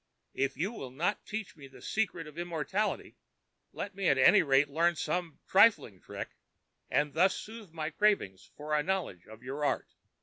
If you will not teach me the secret of Immortality, let me at any rate learn some trifling trick, and thus soothe my cravings for a knowledge of your art.